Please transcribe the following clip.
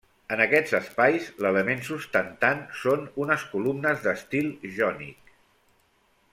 En aquests espais l'element sustentant són unes columnes d'estil jònic.